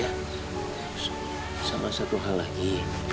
ya sama satu hal lagi